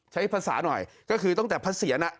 ใช้ภาษาหน่อยก็คือตั้งแต่พระเสียรน่ะ